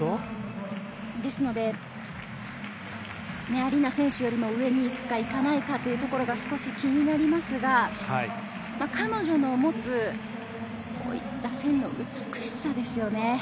ですので、アリーナ選手よりも上に行くか行かないかというところが少し気になりますが、彼女の持つ線の美しさですよね。